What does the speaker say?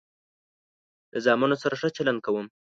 له زامنو سره ښه چلند کوم.